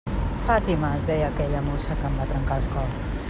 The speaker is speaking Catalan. Fàtima, es deia aquella mossa que em va trencar el cor.